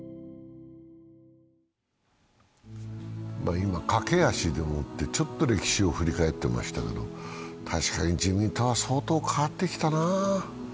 今、駆け足でちょっと歴史を振り返ってましたけど確かに自民党は相当変わってきたなぁ。